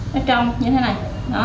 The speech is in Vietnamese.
nó trong như thế này